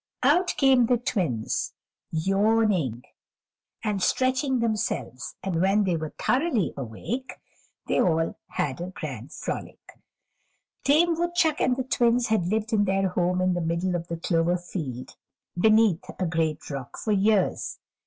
Out came the Twins, yawning and stretching themselves, and when they were thoroughly awake, they all had a grand frolic. Dame Woodchuck and the Twins had lived in their home in the middle of the clover field, beneath a great rock, for years.